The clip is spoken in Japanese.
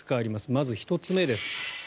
まず１つ目です。